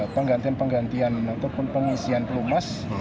penggantian penggantian ataupun pengisian pelumas